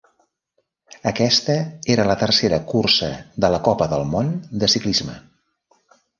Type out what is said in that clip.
Aquesta era la tercera cursa de la Copa del Món de ciclisme.